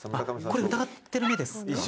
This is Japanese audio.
これ疑ってる目ですか？